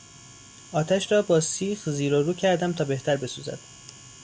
آتش را با سیخ زیر و رو کردم تا بهتر بسوزد.